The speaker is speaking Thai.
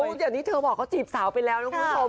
โอ้ค่ะเอฟซีอย่างนี้เธอบอกเขาจีบสาวไปแล้วนะครับคุณผู้ชม